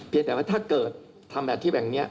แต่ว่าถ้าเกิดทำแบบที่แบบนี้